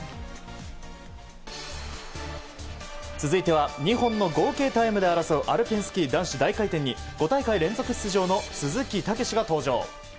続いては２本の合計タイムで争うアルペンスキー男子大回転に５大会連続出場の鈴木猛史が登場。